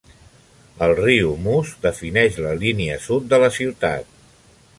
El riu Moose defineix la línia sud de la ciutat.